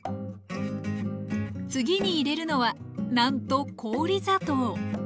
次に入れるのはなんと氷砂糖！